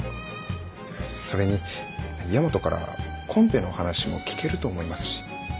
それに大和からコンペの話も聞けると思いますし。